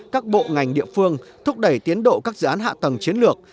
các bộ ngành địa phương thúc đẩy tiến độ các dự án hạ tầng chiến lược